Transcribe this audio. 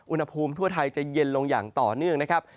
อุณหภูมิทั่วไทยจะเย็นลงอย่างต่อเนื่องนะครับ